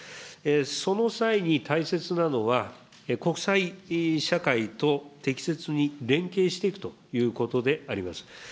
その際に大切なのは、国際社会と適切に連携していくということであります。